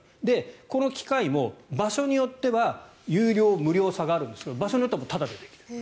この機械も場所によっては有料、無料とあるんですが場所によってはタダでできる。